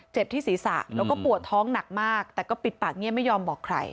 ที่ศีรษะแล้วก็ปวดท้องหนักมากแต่ก็ปิดปากเงียบไม่ยอมบอกใคร